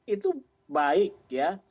itu baik ya